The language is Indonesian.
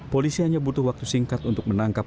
polisi hanya butuh waktu singkat untuk menemukan korban